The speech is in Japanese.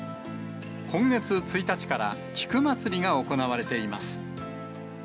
今月１日から菊まつりが行われています。